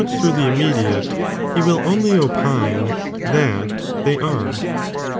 through the immediate, he will only opine thtU they ire.